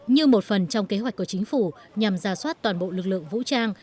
như một phần trong kế hoạch của chính phủ nhằm giả soát toàn bộ lực lượng vũ trang